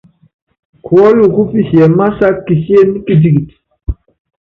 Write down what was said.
Kuɔ́lɔk kú pisiɛ másaká kisién kitikit.